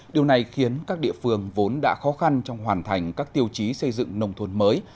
điều này khiến các địa phương vốn đã khó khăn trong hoàn thành các tiêu chí xây dựng nông thôn mới